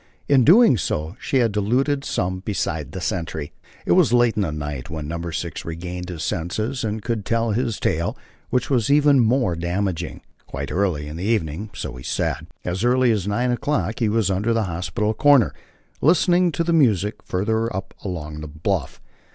In doing so she had deluded someone beside the sentry. It was late in the night when Number Six regained his senses and could tell his tale, which was even more damaging. Quite early in the evening, so he said, as early as nine o'clock, he was under the hospital corner, listening to the music further up along the bluff.